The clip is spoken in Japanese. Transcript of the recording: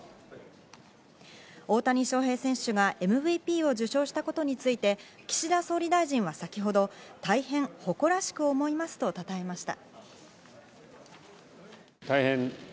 大谷翔平選手がＭＶＰを受賞したことについて岸田総理大臣は先ほど、大変誇らしく思いますとたたえました。